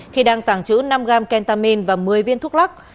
khi đang tàng trữ năm gram kentamin và một mươi viên thuốc lắc